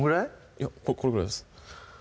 いやこれぐらいです